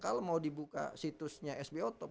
kalau mau dibuka situsnya sbo top